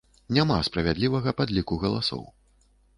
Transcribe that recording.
Няма справядлівага падліку галасоў.